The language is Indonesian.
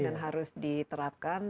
dan harus diterapkan